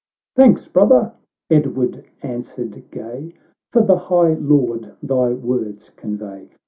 —" Thanks, brother !" Edward answered gar, " For the high laud thy words convey